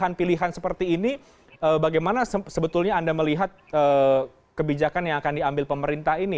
dengan pilihan seperti ini bagaimana sebetulnya anda melihat kebijakan yang akan diambil pemerintah ini